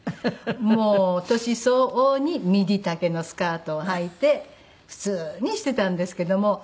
もう年相応にミディ丈のスカートをはいて普通にしてたんですけども。